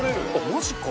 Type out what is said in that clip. マジか！